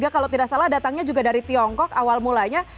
kalau tidak salah datangnya juga dari tiongkok awal mulanya